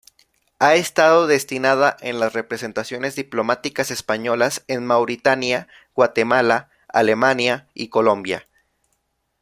Ha estado destinada en las representaciones diplomáticas españolas en Mauritania, Guatemala, Alemania y Colombia.